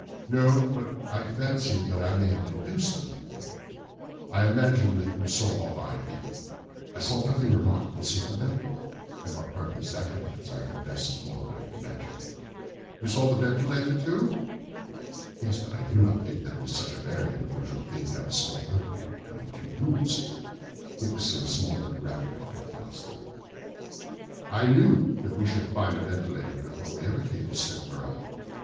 "No, but I fancy that I may have deduced a little more. I imagine that you saw all that I did." "I saw nothing remarkable save the bell rope, and what purpose that could answer I confess is more than I can imagine." "You saw the ventilator, too?" "Yes, but I do not think that it is such a very unusual thing to have a small opening between two rooms. It was so small that a rat could hardly pass through." "I knew that we should find a ventilator before ever we came to Stoke Moran."